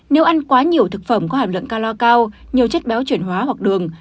nếu ăn quá nhiều thực phẩm có hàm lượng ca loa cao nhiều chất béo chuyển hóa hoặc đường